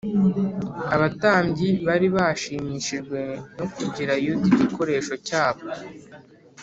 abatambyi bari barashimishijwe no kugira yuda igikoresho cyabo;